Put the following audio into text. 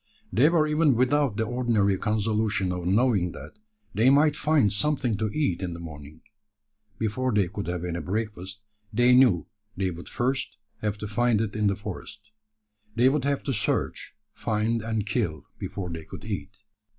They were even without the ordinary consolation of knowing that they might find something to eat in the morning. Before they could have any breakfast, they knew they would first have to find it in the forest. They would have to search, find, and kill, before they could eat.